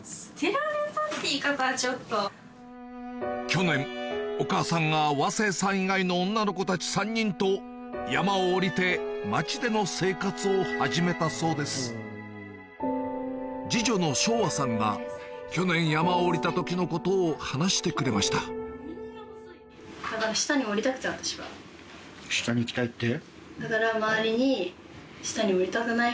去年お母さんが和声さん以外の女の子たち３人と山を下りて町での生活を始めたそうですが去年山を下りた時のことを話してくれました下に行きたいって？